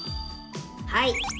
はい。